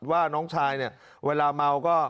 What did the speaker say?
ว่าน้องชายเนี่ยเวลาเมาก็